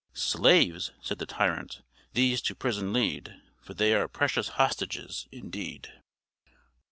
"Slaves!" said the tyrant "these to prison lead. For they are precious hostages indeed!"